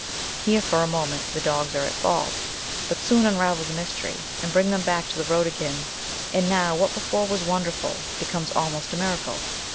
Here, for a moment, the dogs are at fault, but soon unravel the mystery, and bring them back to the road again; and now what before was wonderful, becomes almost a miracle.